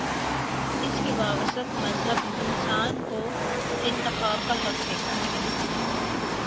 اس کے باوصف مذہب انسان کو انتخاب کا حق دیتا ہے۔